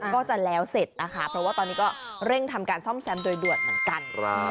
ก็จะแล้วเสร็จนะคะเพราะว่าตอนนี้ก็เร่งทำการซ่อมแซมโดยด่วนเหมือนกัน